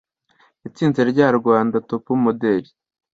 yatsinze rya Rwanda Topu Modeli